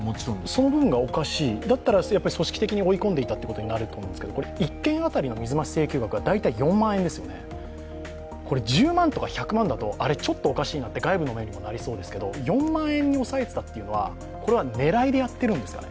その部分がおかしい、だったら組織的に追い込んでいたと思うんですけど１件当たりの水増し請求額は大体４万円ですよね、１０万とか１００万だとちょっとおかしいなと外部の方にいわれそうですけど、４万円に抑えていたというのは狙いでやってるんですか？